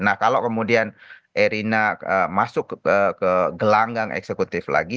nah kalau kemudian erina masuk ke gelanggang eksekutif lagi